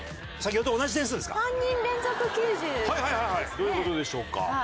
どういう事でしょうか？